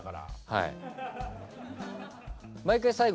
はい。